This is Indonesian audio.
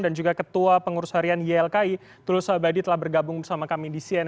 dan juga ketua pengurus harian ylki tulus abadi telah bergabung bersama kami di cnn